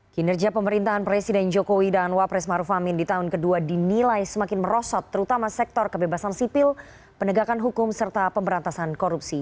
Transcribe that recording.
kinerja pemerintahan presiden jokowi dan wapres maruf amin di tahun kedua dinilai semakin merosot terutama sektor kebebasan sipil penegakan hukum serta pemberantasan korupsi